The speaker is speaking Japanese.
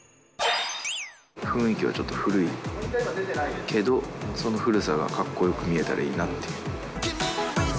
雰囲気はちょっと古いけど、その古さがかっこよく見えたらいいなっていう。